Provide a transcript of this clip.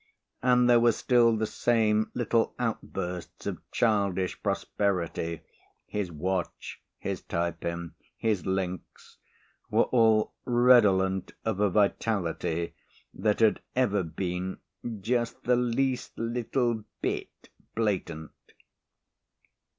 And there were still the same little outbursts of childish prosperity, his watch, his tie pin, his links were all redolent of a vitality that had ever been just the least little bit blatant.